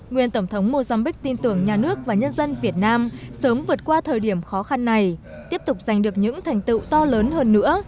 nguyên tổng thống mozambiqu tin tưởng nhà nước và nhân dân việt nam sớm vượt qua thời điểm khó khăn này tiếp tục giành được những thành tựu to lớn hơn nữa